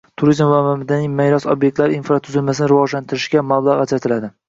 Turizm va madaniy meros obyektlari infratuzilmasini rivojlantirishga mablag‘ ajratiladi.